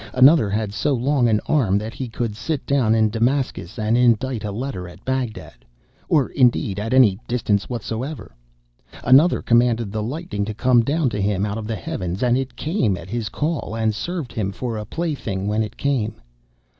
(*29) Another had so long an arm that he could sit down in Damascus and indite a letter at Bagdad—or indeed at any distance whatsoever. (*30) Another commanded the lightning to come down to him out of the heavens, and it came at his call; and served him for a plaything when it came.